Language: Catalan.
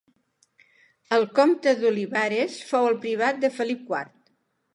El comte d'Olivares fou el privat de Felip quart.